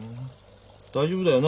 大丈夫だよな。